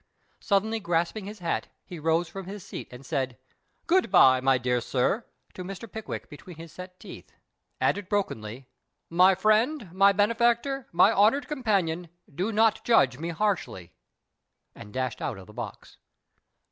Suddenly grasping his hat, he rose from his scat, said " Good night, my dear sir," to Mr. Pickwick between his set teeth, added brokenly, " My friend, my benefactor, m\' honoured companion, do not judge me harshly "— and dashed out of the box.